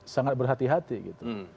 sangat berhati hati gitu